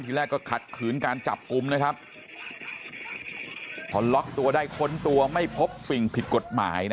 แรกก็ขัดขืนการจับกลุ่มนะครับพอล็อกตัวได้ค้นตัวไม่พบสิ่งผิดกฎหมายนะ